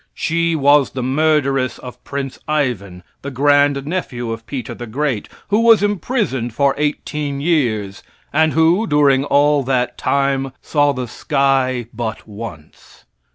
She was the murderess of Prince Ivan, the grand nephew of Peter the Great, who was imprisoned for eighteen years, and who, during all that time, saw the sky but once.